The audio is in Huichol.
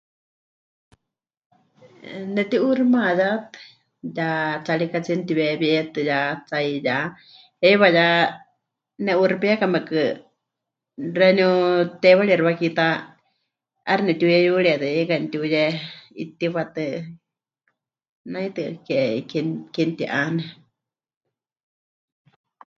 Neti'uuximayátɨ yatsarikatsíe netiweewíetɨ ya tsaiyá, heiwa ya ne'uuxipiekamekɨ xeeníu teiwarixi wakiitá 'aixɨ nepɨtiuyeyurietɨyeika, netiuye'itiwatɨ, naitɨ ke... ke... ke mɨti'ane.